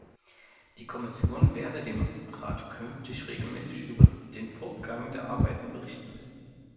Die Kommission werde dem Rat künftig regelmäßig über den Fortgang der Arbeiten berichten.